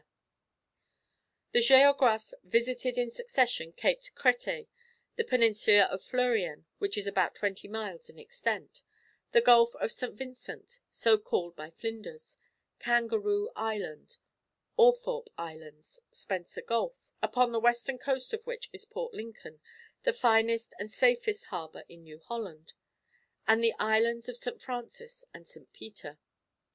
[Illustration: A sail was seen on the horizon.] The Géographe visited in succession Cape Crêtet, the Peninsula of Fleurien (which is about twenty miles in extent), the Gulf of St. Vincent (so called by Flinders), Kangaroo Island, Althorp Islands, Spencer Gulf upon the western coast of which is Port Lincoln, the finest and safest harbour in New Holland and the islands of St. Francis and St. Peter.